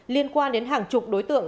liên quan đến hàng chục đối tượng